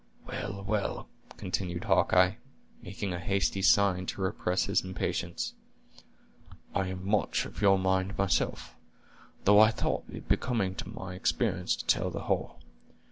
"Well, well," continued Hawkeye, making a hasty sign to repress his impatience; "I am much of your mind myself; though I thought it becoming my experience to tell the whole.